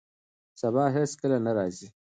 سبا هیڅکله نه راځي.